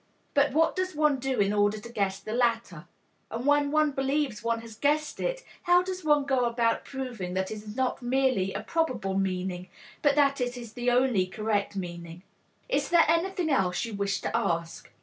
But what does one do in order to guess the latter? And when one believes one has guessed it, how does one go about proving that it is not merely a probable meaning, but that it is the only correct meaning? Is there anything else you wish to ask?